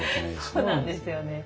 そうなんですよね。